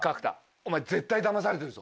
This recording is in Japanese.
「お前絶対だまされてるぞ！